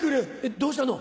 どうしたの？